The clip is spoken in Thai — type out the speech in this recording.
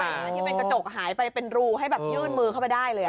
ที่เป็นกระจกหายไปเป็นรูให้แบบยื่นมือเข้าไปได้เลย